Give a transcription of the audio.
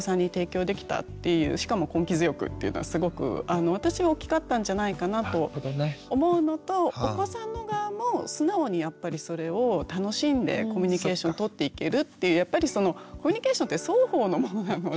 しかも根気強くっていうのはすごく私は大きかったんじゃないかなと思うのとお子さんの側も素直にやっぱりそれを楽しんでコミュニケーションとっていけるっていうやっぱりそのコミュニケーションって双方のものなので。